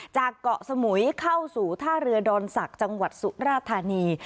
จากเกาะสมุยเข้าสู่ท่าเรือดอนศักดิ์จังหวัดสุราธานี